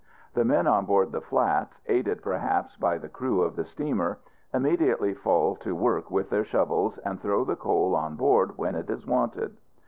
The men on board the flats, aided perhaps by the crew of the steamer, immediately fall to work with their shovels and throw the coal on board when it is wanted.